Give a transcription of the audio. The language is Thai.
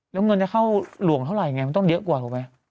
แล้วเงินจะเข้าหลวงเท่าไรไงมันต้องเยอะกว่าหรือเปล่าไหม